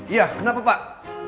iya kenapa pak